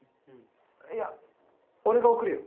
いや俺が送るよ。